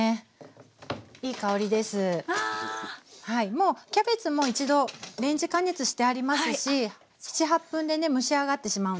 もうキャベツも一度レンジ加熱してありますし７８分でね蒸し上がってしまうんですね